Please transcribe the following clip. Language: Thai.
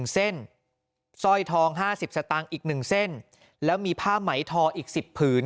๑เส้นสร้อยทอง๕๐สตางค์อีก๑เส้นแล้วมีผ้าไหมทออีก๑๐ผืน